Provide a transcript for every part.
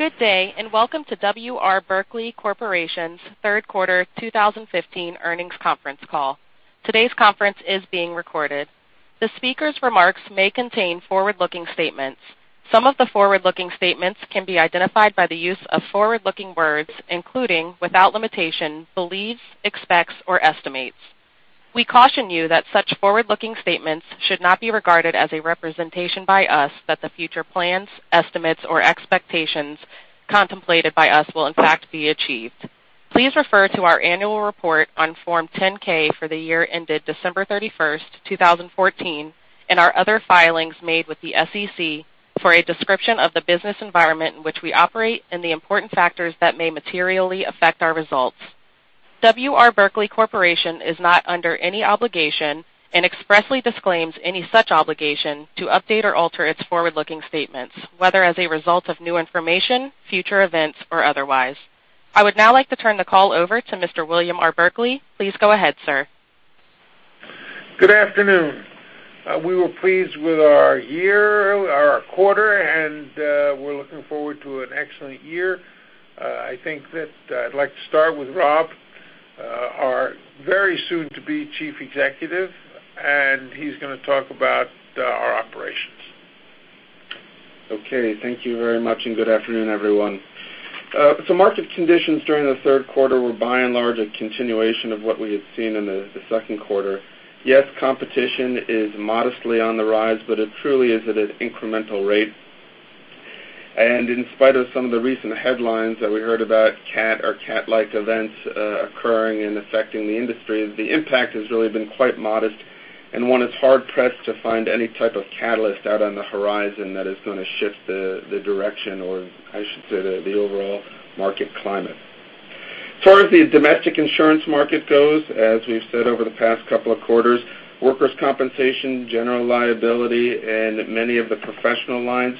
Good day, and welcome to W. R. Berkley Corporation's third quarter 2015 earnings conference call. Today's conference is being recorded. The speaker's remarks may contain forward-looking statements. Some of the forward-looking statements can be identified by the use of forward-looking words, including, without limitation, beliefs, expects, or estimates. We caution you that such forward-looking statements should not be regarded as a representation by us that the future plans, estimates, or expectations contemplated by us will in fact be achieved. Please refer to our annual report on Form 10-K for the year ended December 31st, 2014, and our other filings made with the SEC for a description of the business environment in which we operate and the important factors that may materially affect our results. W. R. Berkley Corporation is not under any obligation and expressly disclaims any such obligation to update or alter its forward-looking statements, whether as a result of new information, future events, or otherwise. I would now like to turn the call over to Mr. William R. Berkley. Please go ahead, sir. Good afternoon. We were pleased with our year, our quarter, and we're looking forward to an excellent year. I think that I'd like to start with Rob, our very soon to be chief executive, and he's going to talk about our operations. Okay, thank you very much, and good afternoon, everyone. Market conditions during the third quarter were by and large a continuation of what we had seen in the second quarter. Yes, competition is modestly on the rise, but it truly is at an incremental rate. In spite of some of the recent headlines that we heard about catastrophe or catastrophe-like events occurring and affecting the industry, the impact has really been quite modest, and one is hard-pressed to find any type of catalyst out on the horizon that is going to shift the direction, or I should say, the overall market climate. As far as the domestic insurance market goes, as we've said over the past couple of quarters, workers' compensation, general liability, and many of the professional lines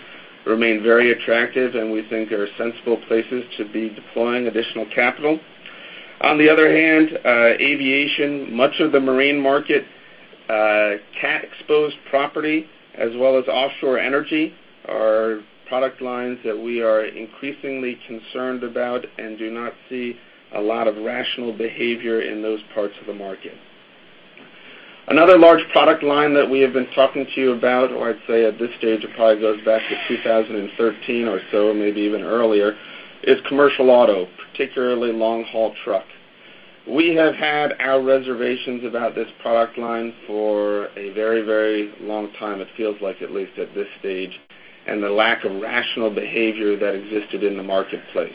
remain very attractive and we think are sensible places to be deploying additional capital. On the other hand, aviation, much of the marine market, catastrophe-exposed property, as well as offshore energy are product lines that we are increasingly concerned about and do not see a lot of rational behavior in those parts of the market. Another large product line that we have been talking to you about, or I'd say at this stage, it probably goes back to 2013 or so, maybe even earlier, is commercial auto, particularly long-haul truck. We have had our reservations about this product line for a very, very long time, it feels like, at least at this stage, and the lack of rational behavior that existed in the marketplace.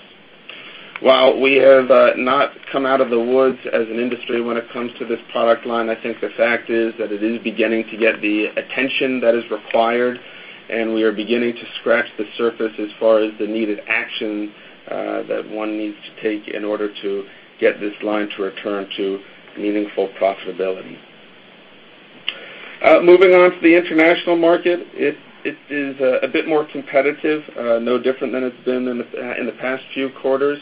While we have not come out of the woods as an industry when it comes to this product line, I think the fact is that it is beginning to get the attention that is required, and we are beginning to scratch the surface as far as the needed action that one needs to take in order to get this line to return to meaningful profitability. Moving on to the international market, it is a bit more competitive, no different than it's been in the past few quarters.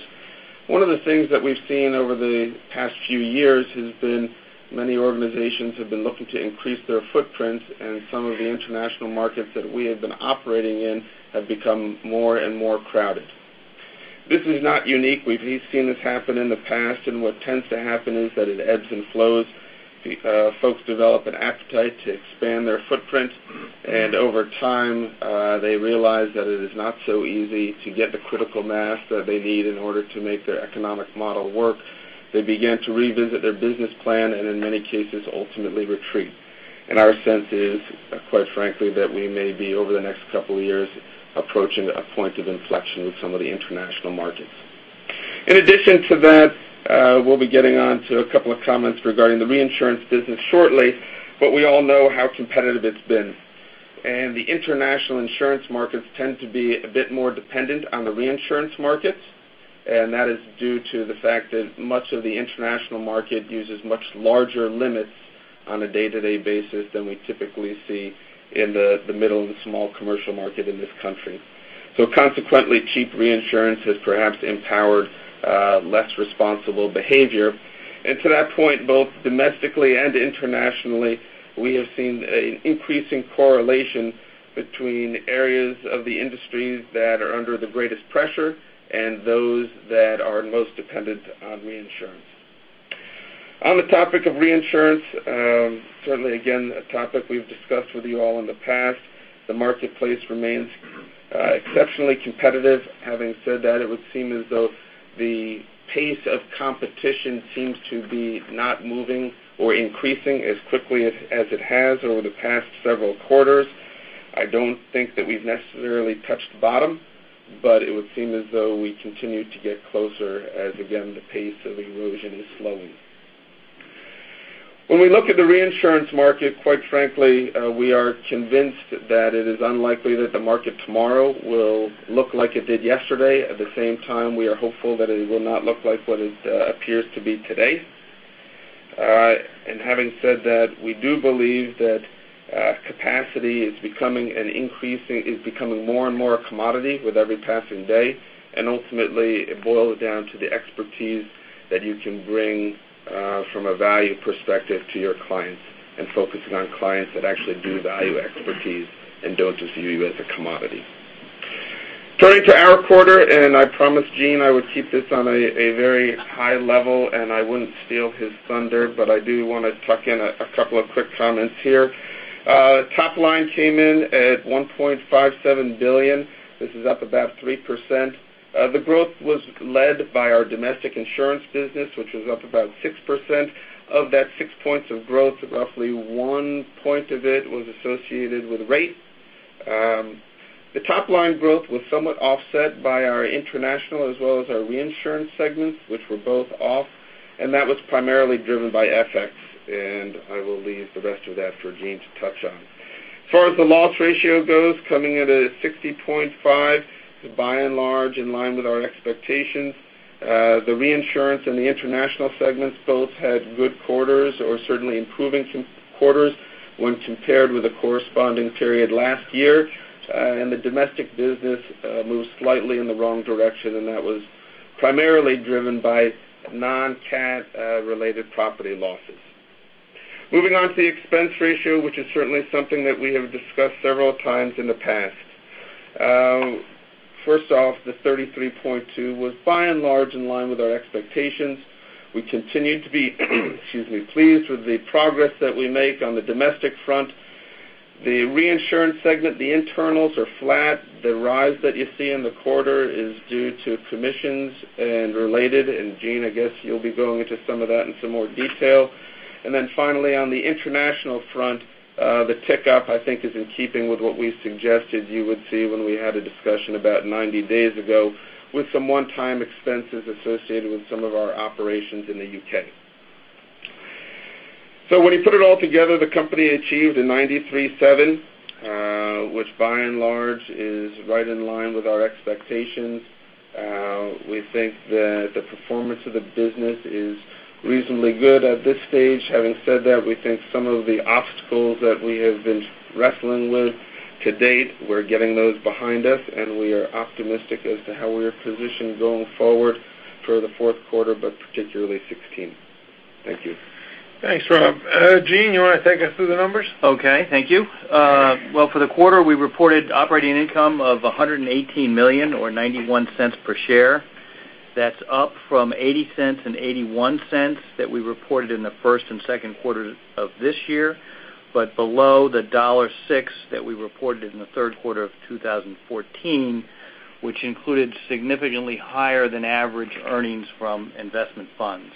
One of the things that we've seen over the past few years has been many organizations have been looking to increase their footprint, and some of the international markets that we have been operating in have become more and more crowded. This is not unique. We've seen this happen in the past, and what tends to happen is that it ebbs and flows. Folks develop an appetite to expand their footprint, and over time, they realize that it is not so easy to get the critical mass that they need in order to make their economic model work. They begin to revisit their business plan, and in many cases, ultimately retreat. Our sense is, quite frankly, that we may be, over the next couple of years, approaching a point of inflection with some of the international markets. In addition to that, we'll be getting on to a couple of comments regarding the reinsurance business shortly, but we all know how competitive it's been. The international insurance markets tend to be a bit more dependent on the reinsurance markets, and that is due to the fact that much of the international market uses much larger limits on a day-to-day basis than we typically see in the middle and small commercial market in this country. Consequently, cheap reinsurance has perhaps empowered less responsible behavior. To that point, both domestically and internationally, we have seen an increasing correlation between areas of the industry that are under the greatest pressure and those that are most dependent on reinsurance. On the topic of reinsurance, certainly again, a topic we've discussed with you all in the past, the marketplace remains exceptionally competitive. Having said that, it would seem as though the pace of competition seems to be not moving or increasing as quickly as it has over the past several quarters. I don't think that we've necessarily touched bottom, but it would seem as though we continue to get closer as, again, the pace of erosion is slowing. When we look at the reinsurance market, quite frankly, we are convinced that it is unlikely that the market tomorrow will look like it did yesterday. At the same time, we are hopeful that it will not look like what it appears to be today. Having said that, we do believe that capacity is becoming more and more a commodity with every passing day, and ultimately, it boils down to the expertise that you can bring from a value perspective to your clients and focusing on clients that actually do value expertise and don't just view you as a commodity. Turning to our quarter, I promised Gene I would keep this on a very high level, and I wouldn't steal his thunder, but I do want to tuck in a couple of quick comments here. Top line came in at $1.57 billion. This is up about 3%. The growth was led by our domestic insurance business, which was up about 6%. Of that six points of growth, roughly one point of it was associated with rate. The top-line growth was somewhat offset by our international as well as our reinsurance segments, which were both off. That was primarily driven by FX. I will leave the rest of that for Gene to touch on. As far as the loss ratio goes, coming in at a 60.5%, by and large in line with our expectations. The reinsurance and the international segments both had good quarters or certainly improving quarters when compared with the corresponding period last year. The domestic business moved slightly in the wrong direction, and that was primarily driven by non-catastrophe related property losses. Moving on to the expense ratio, which is certainly something that we have discussed several times in the past. First off, the 33.2% was by and large in line with our expectations. We continue to be, excuse me, pleased with the progress that we make on the domestic front. The reinsurance segment, the internals are flat. The rise that you see in the quarter is due to commissions and related. Gene, I guess you'll be going into some of that in some more detail. Finally, on the international front, the tick up, I think is in keeping with what we suggested you would see when we had a discussion about 90 days ago with some one-time expenses associated with some of our operations in the U.K. When you put it all together, the company achieved a 93.7%, which by and large is right in line with our expectations. We think that the performance of the business is reasonably good at this stage. Having said that, we think some of the obstacles that we have been wrestling with to date, we're getting those behind us, and we are optimistic as to how we are positioned going forward for the fourth quarter, but particularly 2016. Thank you. Thanks, Rob. Gene, you want to take us through the numbers? Okay. Thank you. Well, for the quarter, we reported operating income of $118 million or $0.91 per share. That's up from $0.80 and $0.81 that we reported in the first and second quarter of this year, but below the $1.06 that we reported in the third quarter of 2014, which included significantly higher than average earnings from investment funds.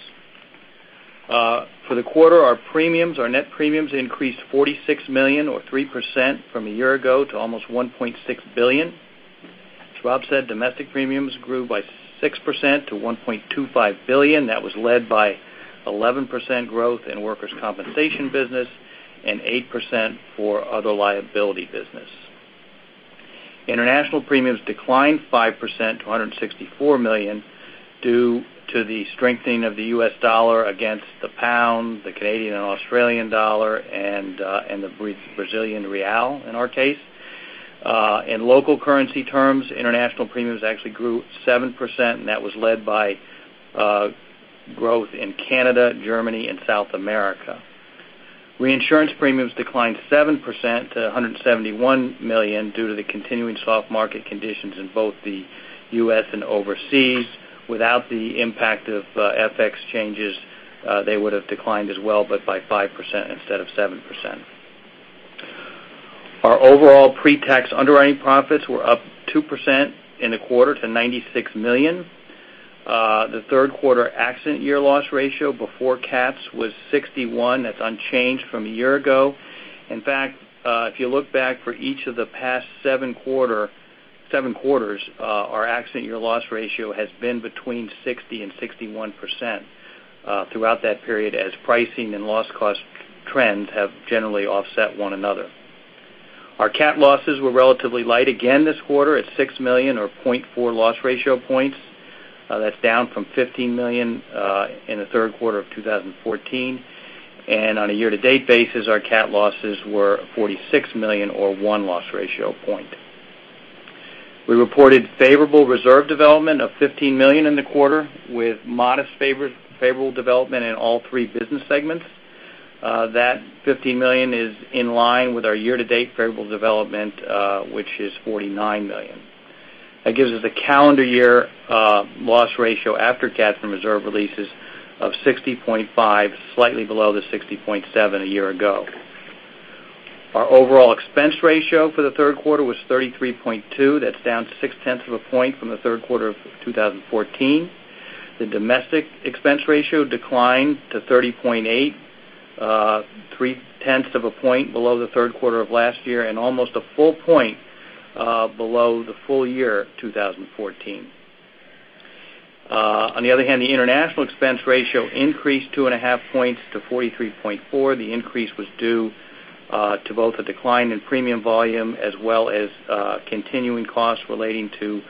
For the quarter, our net premiums increased $46 million or 3% from a year ago to almost $1.6 billion. As Rob said, domestic premiums grew by 6% to $1.25 billion. That was led by 11% growth in workers' compensation business and 8% for other liability business. International premiums declined 5% to $164 million due to the strengthening of the U.S. dollar against the pound, the Canadian and Australian dollar, and the Brazilian real, in our case. In local currency terms, international premiums actually grew 7%, and that was led by growth in Canada, Germany, and South America. Reinsurance premiums declined 7% to $171 million due to the continuing soft market conditions in both the U.S. and overseas. Without the impact of FX changes, they would have declined as well, but by 5% instead of 7%. Our overall pre-tax underwriting profits were up 2% in the quarter to $96 million. The third quarter accident year loss ratio before cats was 61%. That's unchanged from a year ago. In fact, if you look back for each of the past seven quarters, our accident year loss ratio has been between 60% and 61% throughout that period as pricing and loss cost trends have generally offset one another. Our cat losses were relatively light again this quarter at $6 million or 0.4 loss ratio points. That's down from $15 million in the third quarter of 2014. On a year to date basis, our cat losses were $46 million or one loss ratio point. We reported favorable reserve development of $15 million in the quarter, with modest favorable development in all three business segments. That $15 million is in line with our year to date favorable development, which is $49 million. That gives us a calendar year loss ratio after cat from reserve releases of 60.5%, slightly below the 60.7% a year ago. Our overall expense ratio for the third quarter was 33.2%. That's down 0.6 of a point from the third quarter of 2014. The domestic expense ratio declined to 30.8%, 0.3 of a point below the third quarter of last year and almost a full point below the full year 2014. On the other hand, the international expense ratio increased 2.5 points to 43.4%. The increase was due to both a decline in premium volume as well as continuing costs relating to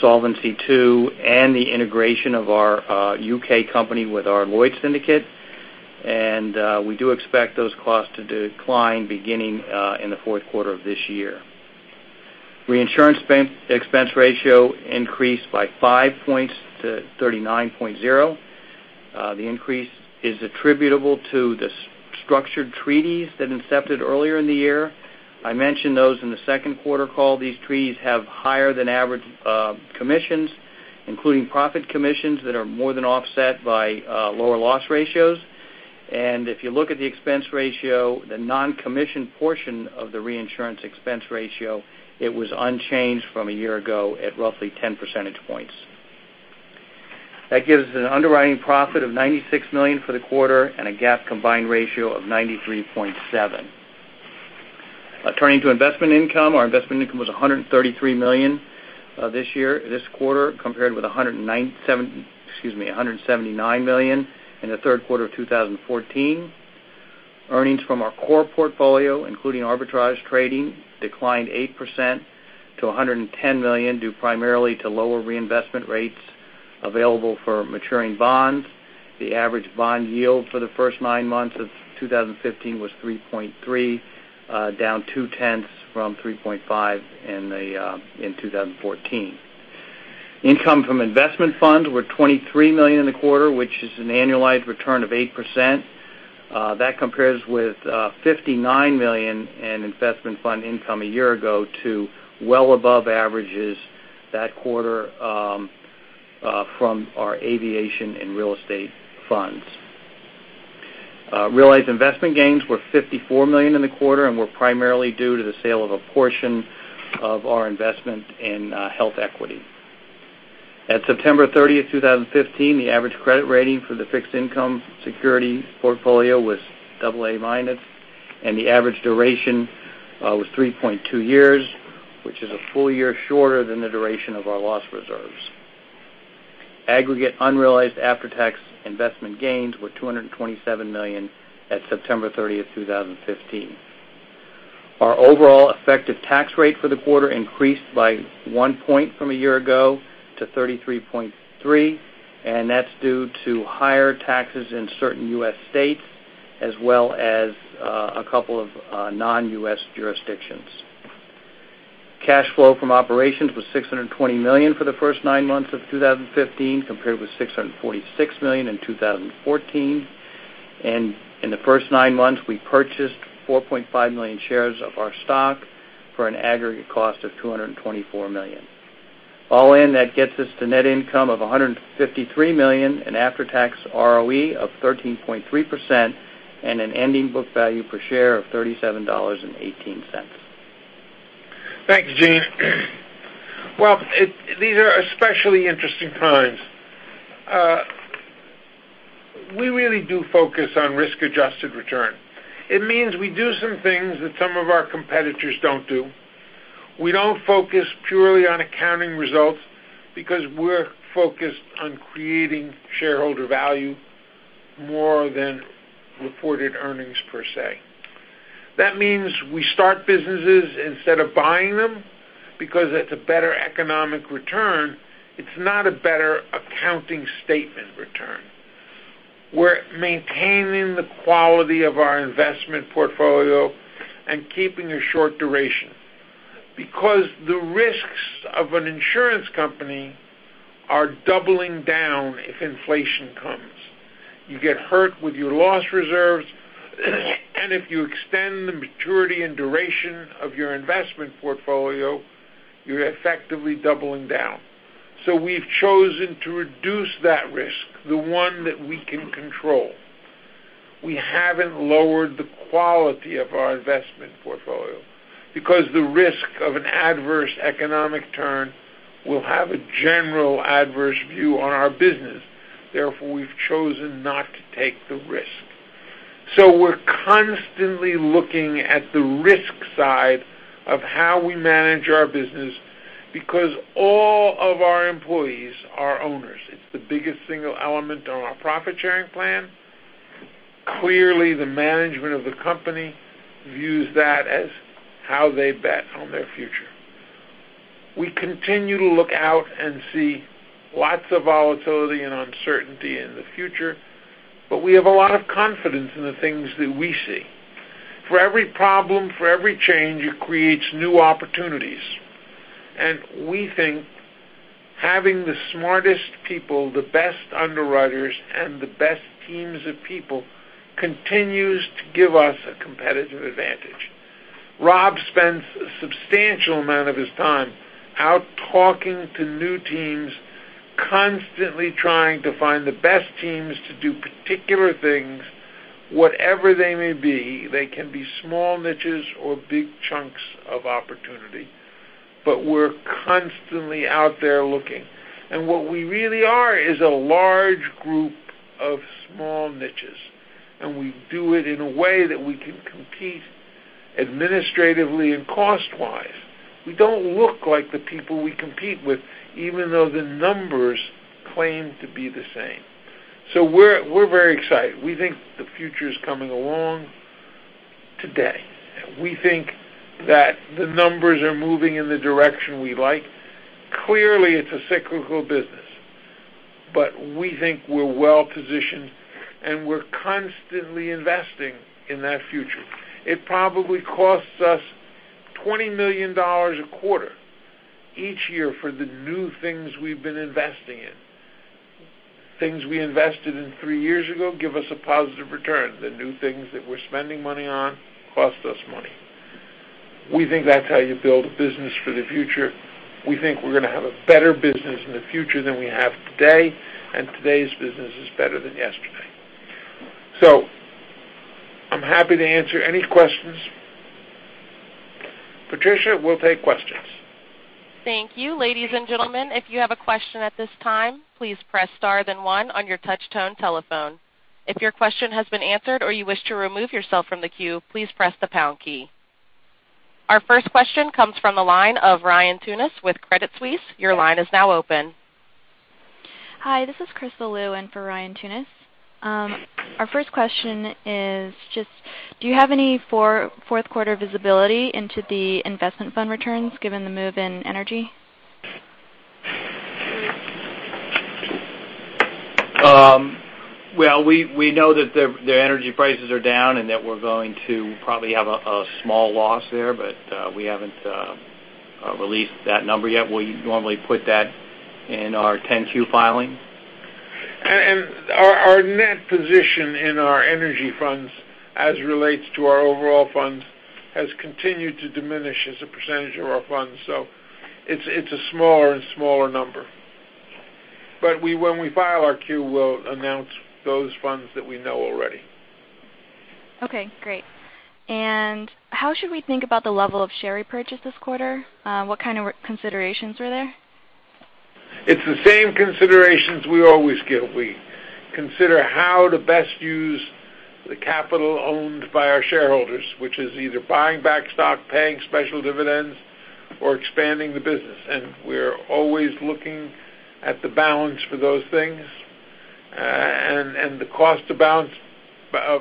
Solvency II and the integration of our U.K. company with our Lloyd's syndicate. We do expect those costs to decline beginning in the fourth quarter of this year. Reinsurance expense ratio increased by five points to 39.0%. The increase is attributable to the structured treaties that incepted earlier in the year. I mentioned those in the second quarter call. These treaties have higher than average commissions, including profit commissions that are more than offset by lower loss ratios. If you look at the expense ratio, the non-commission portion of the reinsurance expense ratio, it was unchanged from a year ago at roughly 10 percentage points. That gives an underwriting profit of $96 million for the quarter and a GAAP combined ratio of 93.7%. Turning to investment income, our investment income was $133 million this quarter, compared with $179 million in the third quarter of 2014. Earnings from our core portfolio, including arbitrage trading, declined 8% to $110 million, due primarily to lower reinvestment rates available for maturing bonds. The average bond yield for the first nine months of 2015 was 3.3%, down two-tenths from 3.5% in 2014. Income from investment funds were $23 million in the quarter, which is an annualized return of 8%. That compares with $59 million in investment fund income a year ago to well above averages that quarter from our aviation and real estate funds. Realized investment gains were $54 million in the quarter and were primarily due to the sale of a portion of our investment in HealthEquity. At September 30th, 2015, the average credit rating for the fixed income securities portfolio was AA minus, and the average duration was 3.2 years, which is a full year shorter than the duration of our loss reserves. Aggregate unrealized after-tax investment gains were $227 million at September 30th, 2015. Our overall effective tax rate for the quarter increased by one point from a year ago to 33.3%, and that's due to higher taxes in certain U.S. states, as well as a couple of non-U.S. jurisdictions. Cash flow from operations was $620 million for the first nine months of 2015, compared with $646 million in 2014. In the first nine months, we purchased 4.5 million shares of our stock for an aggregate cost of $224 million. All in, that gets us to net income of $153 million, an after-tax ROE of 13.3%, and an ending book value per share of $37.18. Thank you, Gene. Well, these are especially interesting times. We really do focus on risk-adjusted return. It means we do some things that some of our competitors don't do. We don't focus purely on accounting results because we're focused on creating shareholder value more than reported earnings per se. That means we start businesses instead of buying them because it's a better economic return. It's not a better accounting statement return. We're maintaining the quality of our investment portfolio and keeping a short duration because the risks of an insurance company are doubling down if inflation comes. You get hurt with your loss reserves, and if you extend the maturity and duration of your investment portfolio, you're effectively doubling down. We've chosen to reduce that risk, the one that we can control. We haven't lowered the quality of our investment portfolio because the risk of an adverse economic turn will have a general adverse view on our business. Therefore, we've chosen not to take the risk. We're constantly looking at the risk side of how we manage our business because all of our employees are owners. It's the biggest single element on our profit-sharing plan. Clearly, the management of the company views that as how they bet on their future. We continue to look out and see lots of volatility and uncertainty in the future, but we have a lot of confidence in the things that we see. For every problem, for every change, it creates new opportunities. We think having the smartest people, the best underwriters, and the best teams of people continues to give us a competitive advantage. Rob spends a substantial amount of his time out talking to new teams, constantly trying to find the best teams to do particular things, whatever they may be. They can be small niches or big chunks of opportunity. We're constantly out there looking. What we really are is a large group of small niches, and we do it in a way that we can compete administratively and cost-wise. We don't look like the people we compete with, even though the numbers claim to be the same. We're very excited. We think the future is coming along today. We think that the numbers are moving in the direction we like. Clearly, it's a cyclical business. We think we're well positioned, and we're constantly investing in that future. It probably costs us $20 million a quarter each year for the new things we've been investing in. Things we invested in three years ago give us a positive return. The new things that we're spending money on cost us money. We think that's how you build a business for the future. We think we're going to have a better business in the future than we have today, and today's business is better than yesterday. I'm happy to answer any questions. Patricia, we'll take questions. Thank you. Ladies and gentlemen, if you have a question at this time, please press star then 1 on your touch tone telephone. If your question has been answered or you wish to remove yourself from the queue, please press the pound key. Our first question comes from the line of Ryan Tunis with Credit Suisse. Your line is now open. Hi, this is Crystal Lu in for Ryan Tunis. Our first question is just, do you have any fourth quarter visibility into the investment fund returns given the move in energy? Well, we know that the energy prices are down and that we're going to probably have a small loss there, but we haven't released that number yet. We normally put that in our 10Q filing. Our net position in our energy funds as relates to our overall funds has continued to diminish as a percentage of our funds. It's a smaller and smaller number. When we file our Q, we'll announce those funds that we know already. Okay, great. How should we think about the level of share repurchase this quarter? What kind of considerations are there? It's the same considerations we always give. We consider how to best use the capital owned by our shareholders, which is either buying back stock, paying special dividends, or expanding the business. We're always looking at the balance for those things and the cost of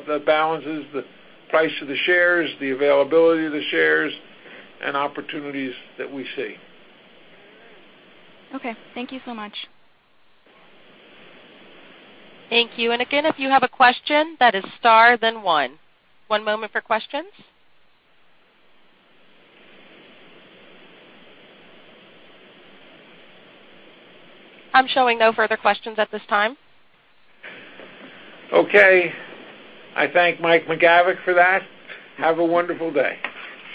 the balances, the price of the shares, the availability of the shares, and opportunities that we see. Okay. Thank you so much. Thank you. Again, if you have a question, that is star, then one. One moment for questions. I'm showing no further questions at this time. Okay. I thank Mike McGavick for that. Have a wonderful day.